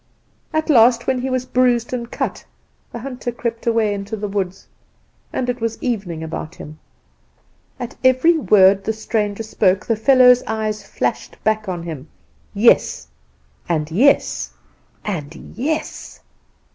At last, when he was bruised and cut, the hunter crept away into the woods. And it was evening about him." At every word the stranger spoke the fellow's eyes flashed back on him yes, and yes, and yes!